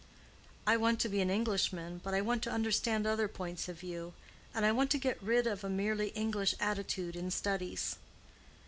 "I want to be an Englishman, but I want to understand other points of view. And I want to get rid of a merely English attitude in studies."